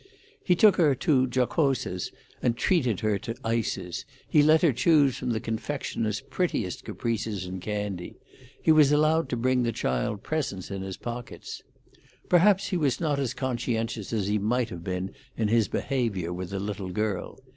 He took her to Giocosa's and treated her to ices; he let her choose from the confectioner's prettiest caprices in candy; he was allowed to bring the child presents in his pockets. Perhaps he was not as conscientious as he might have been in his behaviour with the little girl.